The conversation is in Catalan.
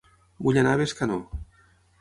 Vull anar a Bescanó